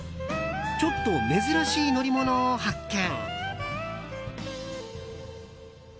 ちょっと珍しい乗り物を発見。